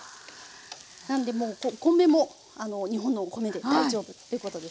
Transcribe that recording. なんでお米も日本のお米で大丈夫ということですね。